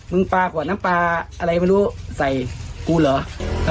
ปลาขวดน้ำปลาอะไรไม่รู้ใส่กูเหรอ